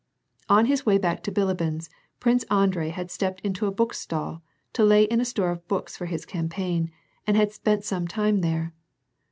On his way back to Bilibin's, Prince Andrei had stepped into a bookstall, to lay in a store of books for his campaign, and had spent some time there.